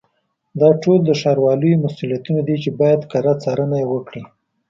دا ټول د ښاروالیو مسؤلیتونه دي چې باید کره څارنه یې وکړي.